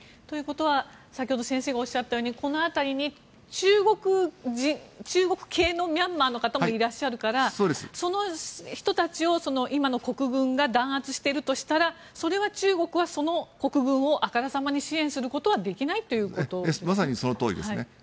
ということは先ほど先生がおっしゃったようにこの辺りに中国系のミャンマーの方もいらっしゃるからその人たちを今の国軍が弾圧しているとしたらそれは中国はその国軍をあからさまに支援することはできないということですね。